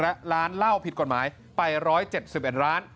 และร้านเหล้าผิดกฎหมายไป๑๗๑ร้าน